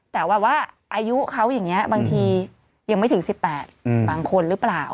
แต่ว่าอายุเขาอย่างนี้บางทียังไม่ถึง๑๘บางคนหรือเปล่า